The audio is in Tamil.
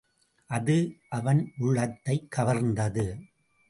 அது அவன் உள்ளத்தைக் கவர்ந்தது.